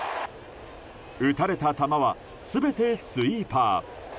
打たれた球は、全てスイーパー。